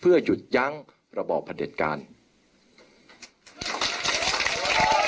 เพื่อยุดยั้งการสืบทอดอำนาจของขอสอชอต่อและยังพร้อมจะเป็นนายกรัฐมนตรี